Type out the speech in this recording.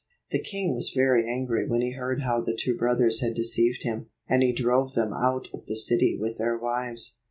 The king was very angry when he heard how the two brothers had deceived him, and he drove them out of the city with their wives.